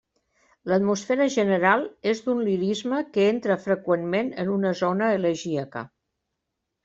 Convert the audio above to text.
L'atmosfera general és d'un lirisme que entra freqüentment en una zona elegíaca.